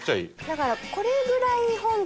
だからこれぐらい本体